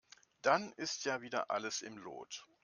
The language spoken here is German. Dann ist ja wieder alles im Lot.